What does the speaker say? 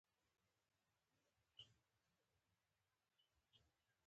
چې دا شوګر ئې چرته يوړۀ ؟